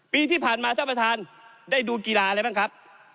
ปีที่ผ่านมาท่านประธานได้ดูกีฬาอะไรบ้างครับ